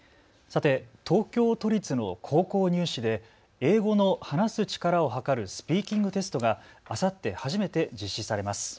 さて、東京都立の高校入試で英語の話す力をはかるスピーキングテストがあさって初めて実施されます。